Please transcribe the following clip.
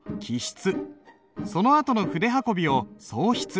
そのあとの筆運びを送筆。